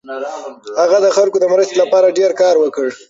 هغه د خلکو د مرستې لپاره ډېر کار وکړ.